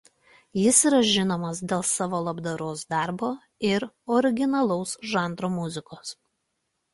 Jis yra žinomas dėl savo labdaros darbo ir originalaus žanro muzikos.